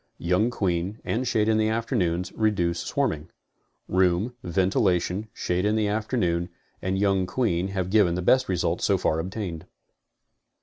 Young queen, and shade in the afternoons, reduce swarming. Room, ventilation, shade in the afternoon, and young queen have given the best results so far obtained.